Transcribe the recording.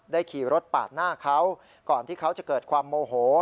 ขี่รถปาดหน้าเขาก่อนที่เขาจะเกิดความโมโห